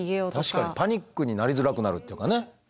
確かにパニックになりづらくなるっていうかね。